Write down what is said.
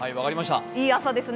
いい朝ですね。